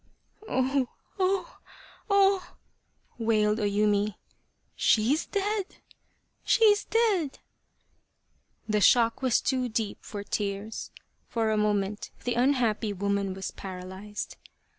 " Oh, oh, oh !" wailed O Yumi, " She is dead ! She is dead !" The shock was too deep for tears. For a moment the unhappy woman was paralysed.